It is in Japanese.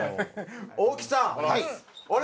大木さんあれ？